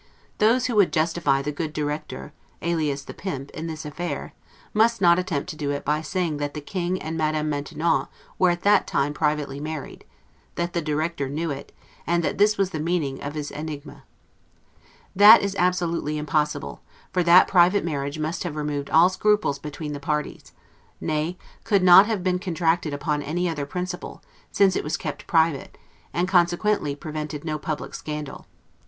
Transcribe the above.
Those who would justify the good 'directeur', alias the pimp, in this affair, must not attempt to do it by saying that the King and Madame Maintenon were at that time privately married; that the directeur knew it; and that this was the meaning of his 'enigme'. That is absolutely impossible; for that private marriage must have removed all scruples between the parties; nay, could not have been contracted upon any other principle, since it was kept private, and consequently prevented no public scandal.